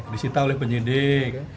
disita oleh penyidik